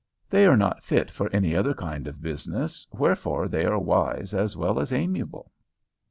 They are not fit for any other kind of business, wherefore they are wise as well as amiable."